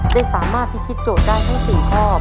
ได้สามารถพิธีโจทย์ได้ทั้ง๔ข้อ